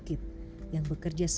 sudah ber floating